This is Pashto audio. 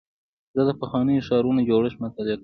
زه د پخوانیو ښارونو جوړښت مطالعه کوم.